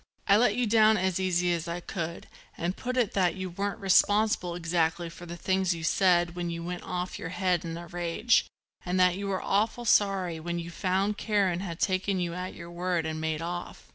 I let you down as easy as I could and put it that you weren't responsible exactly for the things you said when you went off your head in a rage and that you were awful sorry when you found Karen had taken you at your word and made off.